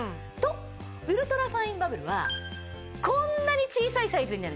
ウルトラファインバブルはこんなに小さいサイズになるんです。